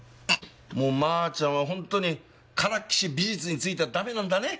もうまーちゃんはほんとにからっきし美術についてはダメなんだね。